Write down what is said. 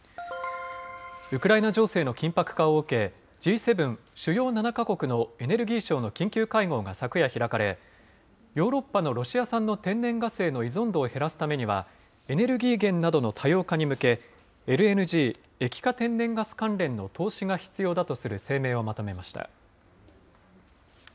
ウクライナ情勢の緊迫化を受け、Ｇ７・主要７か国のエネルギー相の緊急会合が昨夜開かれ、ヨーロッパのロシア産の天然ガスへの依存度を減らすためには、エネルギー源などの多様化に向け、ＬＮＧ・液化天然ガスの投資が必要だとする声明をまとめました。